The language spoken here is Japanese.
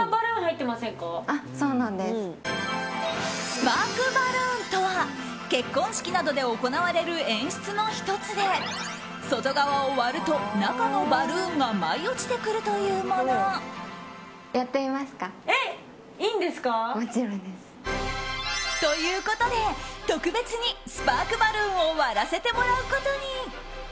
スパークバルーンとは結婚式などで行われる演出の１つで外側を割ると、中のバルーンが舞い落ちてくるというもの。ということで特別にスパークバルーンを割らせてもらうことに。